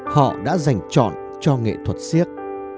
họ đã dành chọn cho nghệ thuật siếc